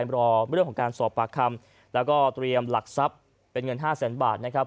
รอเรื่องของการสอบปากคำแล้วก็เตรียมหลักทรัพย์เป็นเงิน๕แสนบาทนะครับ